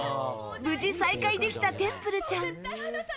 無事再会できたテンプルちゃん。